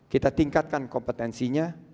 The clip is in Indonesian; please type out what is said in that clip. kita tingkatkan kompetensinya